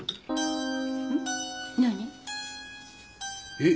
えっ？